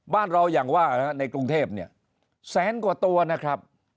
บ้านเราอย่างว่าในกรุงเทพเนี่ยแสนกว่าตัวนะครับ